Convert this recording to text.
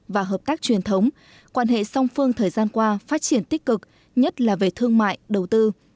và hợp tác truyền thống quan hệ song phương thời gian qua phát triển tích cực nhất là về thương mại đầu tư